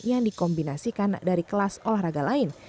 yang dikombinasikan dari kelas olahraga lain